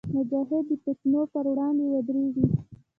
مجاهد د فتنو پر وړاندې ودریږي.